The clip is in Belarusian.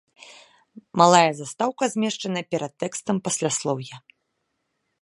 Малая застаўка змешчана перад тэкстам пасляслоўя.